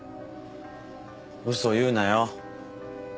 嘘言うなよ。